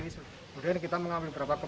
cuman jaga jarak aja